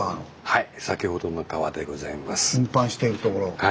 はい。